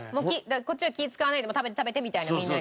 こっちは気使わないで食べて食べてみたいなみんなに。